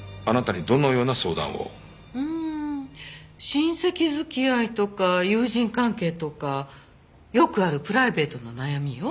うん親戚付き合いとか友人関係とかよくあるプライベートな悩みよ。